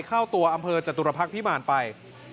เข้าตัวอำเภอจตุรพักษ์พิมารไป